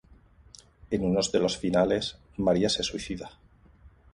En uno de los finales, María se suicida.